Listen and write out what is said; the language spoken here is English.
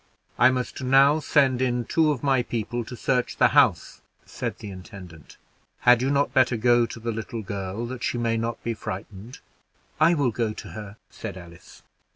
"I must now send in two of my people to search the house," said the intendant. "Had you not better go to the little girl, that she may not be frightened?" "I will go to her," said Alice.